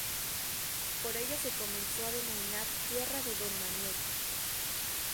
Por ello se comenzó a denominar "Tierra de don Manuel".